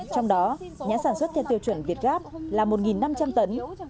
trong đó nhãn sản xuất theo tiêu chuẩn việt gáp là một năm trăm linh tấn